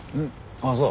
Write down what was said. あっそう。